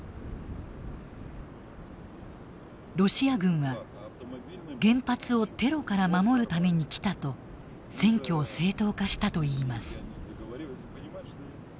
ロシア軍は「原発をテロから守るために来た」と占拠を正当化したといいます。